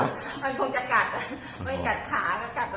แฮะมันคงจะกัดค่ะไม่กัดขาก็กัดอะไรสักอย่าง